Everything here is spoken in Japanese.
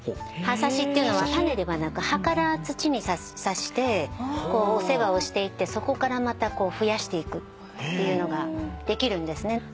葉挿しっていうのは種ではなく葉から土に挿してお世話をしていってそこからまた増やしていくっていうのができるんですね。